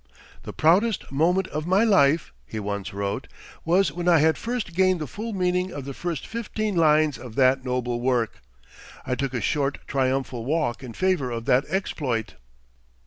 "The proudest moment of my life," he once wrote, "was when I had first gained the full meaning of the first fifteen lines of that noble work. I took a short triumphal walk in favor of that exploit."